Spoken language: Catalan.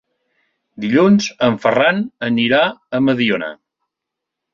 Dilluns en Ferran anirà a Mediona.